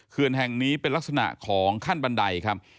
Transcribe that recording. แห่งนี้เป็นลักษณะของขั้นบันไดครับ